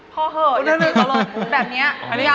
พ่อเธอเหย็บก็เลย